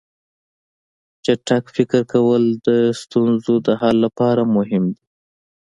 چټک فکر کول د ستونزو د حل لپاره مهم دي.